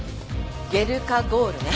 ゲルカゴールね。